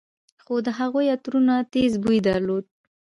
خو د هغوى عطرونو تېز بوى درلود.